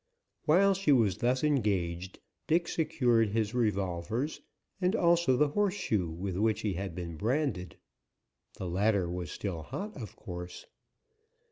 While she was thus engaged, Dick secured his revolvers and also the horseshoe with which he had been branded. The latter was still hot, of course.